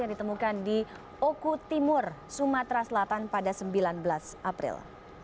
yang ditemukan di oku timur sumatera selatan pada sembilan belas april